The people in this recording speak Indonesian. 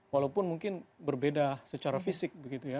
walaupun mungkin berbeda secara fisik